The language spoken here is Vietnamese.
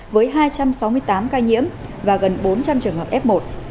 với hai trăm sáu mươi tám ca nhiễm và gần bốn trăm linh trường hợp f một